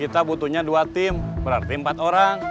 kita butuhnya dua tim berarti empat orang